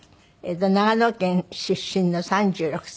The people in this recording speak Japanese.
長野県出身の３６歳。